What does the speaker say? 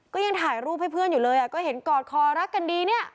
ก็ยังถ่ายรูปให้เพื่อนอยู่เลยอ่ะก็เห็นกอดคอรักกันดีเนี่ย